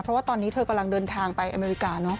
เพราะว่าตอนนี้เธอกำลังเดินทางไปอเมริกาเนาะ